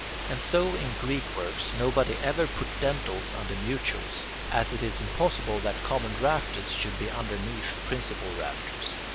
And so in Greek works nobody ever put dentils under mutules, as it is impossible that common rafters should be underneath principal rafters.